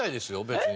別に。